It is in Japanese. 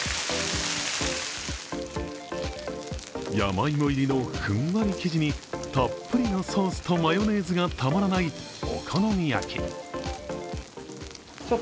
山芋入りのふんわり生地にたっぷりのソースとマヨネーズがたまらないお好み焼き。